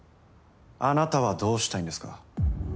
あなたはどうしたいんですか？